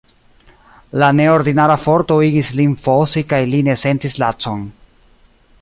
La neordinara forto igis lin fosi kaj li ne sentis lacon.